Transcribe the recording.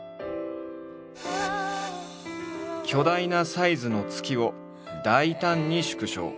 巨大なサイズの月を大胆に縮小。